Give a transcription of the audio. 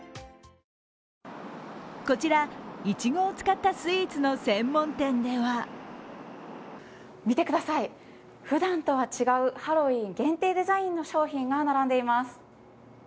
こちら、いちごを使ったスイーツの専門店では見てください、ふだんとは違うハロウィーン限定商品が並んでいます。